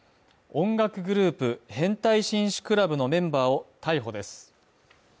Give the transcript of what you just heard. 音楽グループ、変態紳士クラブのメンバーを逮捕です。